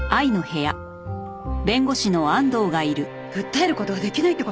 訴える事はできないって事？